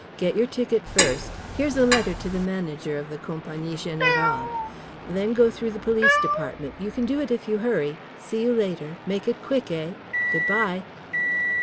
Get your ticket first, here's a letter to the manager of the Compagnie Générale. Then go through the police department. You can do it if you hurry. See you later. Make it quick, eh? Good bye!